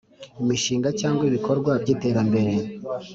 Imishinga cyangwa ibikorwa by iterambere